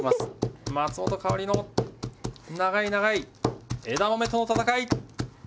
松本薫の長い長い枝豆との戦い！